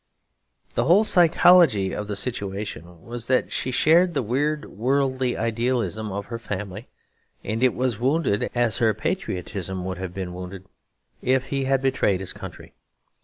The whole psychology of the situation was that she shared the weird worldly idealism of her family, and it was wounded as her patriotism would have been wounded if he had betrayed his country.